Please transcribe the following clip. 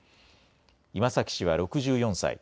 今崎氏は６４歳。